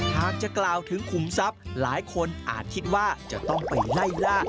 หากจะกล่าวถึงขุมทรัพย์หลายคนอาจคิดว่าจะต้องไปไล่ล่า